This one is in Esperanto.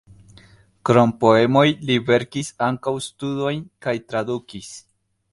Krom poemoj li verkis ankaŭ studojn kaj tradukis.